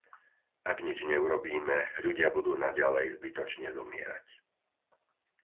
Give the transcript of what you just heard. Ak nič neurobíme, ľudia budú naďalej zbytočne zomierať.